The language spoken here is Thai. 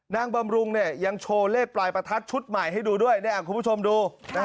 บำรุงยังโชว์เลขปลายประทัดชุดใหม่ให้ดูด้วยคุณผู้ชมดู